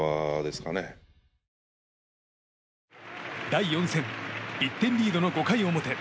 第４戦、１点リードの５回表。